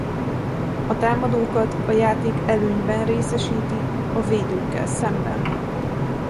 A támadókat a játék előnyben részesíti a védőkkel szemben!